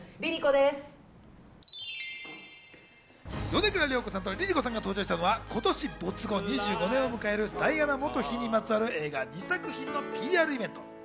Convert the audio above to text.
米倉涼子さんとＬｉＬｉＣｏさんが登場したのは、今年、没後２５年を迎えるダイアナ元妃にまつわる映画２作品のＰＲイベント。